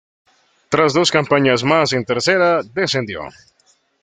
Tras dos campañas más en Tercera, descendió.